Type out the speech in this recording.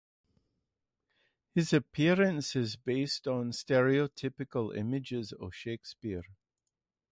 His appearance is based on stereotypical images of Shakespeare.